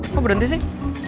kok berhenti sih